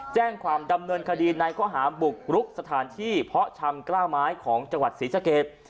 แจ้งความดำเนินคดีในข้อหาบุกรุกสถานที่เพาะชำกล้าไม้ของจังหวัดศรีสเกต